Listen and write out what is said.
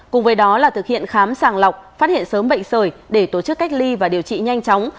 cùng với đó là thực hiện khám sàng lọc phát hiện sớm bệnh sởi để tổ chức cách ly và điều trị nhanh chóng